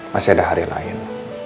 masih ada hari lain